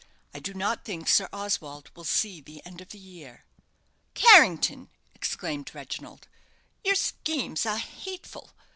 I do not think Sir Oswald will see the end of the year!" "Carrington!" exclaimed Reginald. "Your schemes are hateful.